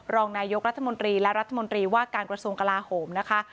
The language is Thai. รองนายกรัฐมนตรีและรัฐมนตรีว่าการกระทรวงกลาโหมนะคะ